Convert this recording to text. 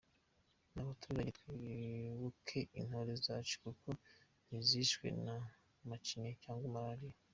Ni batureke twibuke intore zacu kuko ntizishwe na macinya cyangwa malaria.